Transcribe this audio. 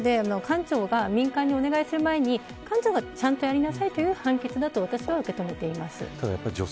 なので官庁が民間にお願いする前に官庁がやりなさいという判決だと受け止めています。